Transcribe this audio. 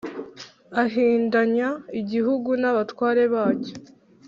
ahindanya igihugu n’abatware bacyo.